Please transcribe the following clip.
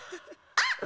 あっ！